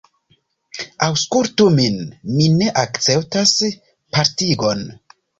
Aŭskultu min; mi ne akceptas partigon.